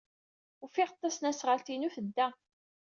Ufiɣ-d tasnasɣalt-inu tedda.